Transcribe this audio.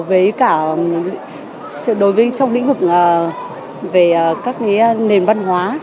với cả đối với trong lĩnh vực về các nền văn hóa